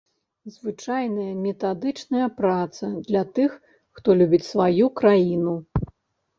Звычайная метадычная праца для тых, хто любіць сваю краіну.